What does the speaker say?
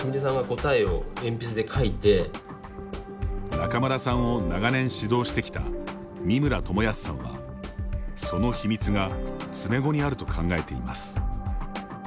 仲邑さんを長年指導してきた三村智保さんはその秘密が詰碁にあると考えています。